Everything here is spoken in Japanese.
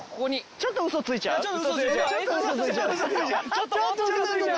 ちょっとウソついちゃうかな。